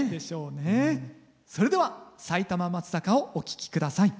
それでは「埼玉松坂」をお聴き下さい。